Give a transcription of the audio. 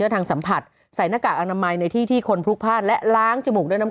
ถ้ามันวิ่งขวาจริง